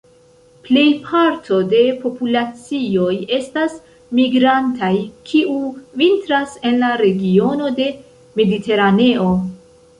Plej parto de populacioj estas migrantaj, kiu vintras en la regiono de Mediteraneo.